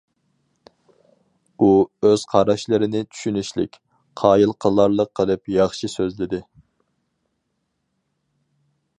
ئۇ ئۆز قاراشلىرىنى چۈشىنىشلىك، قايىل قىلارلىق قىلىپ ياخشى سۆزلىدى.